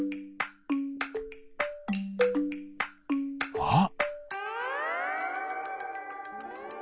あっ！